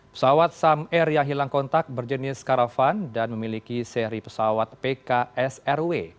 pesawat sam air yang hilang kontak berjenis karavan dan memiliki seri pesawat pksrw